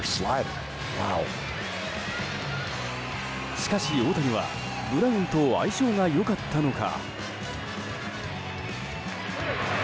しかし、大谷はブラウンと相性が良かったのか。